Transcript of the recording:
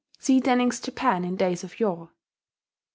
(See Dening's Japan in Days of Yore.)